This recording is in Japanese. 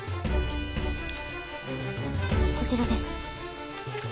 こちらです。